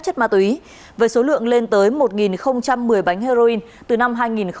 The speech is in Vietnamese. chất ma túy với số lượng lên tới một một mươi bánh heroin từ năm hai nghìn bảy